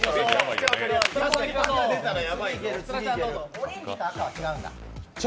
オレンジと赤は違うんだ。